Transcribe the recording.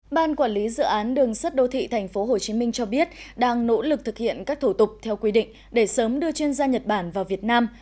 ban quản lý dự án đường sắt đô thị tp hcm cho biết đang nỗ lực thực hiện các thủ tục theo quy định để sớm đưa chuyên gia nhật bản vào việt nam